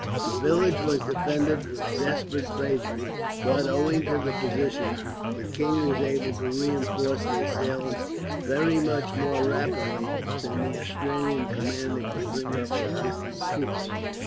The village was defended with desperate bravery but, owing to the position, the king was able to reinforce the assailants very much more rapidly than the Austrian commander could bring up his distant troops.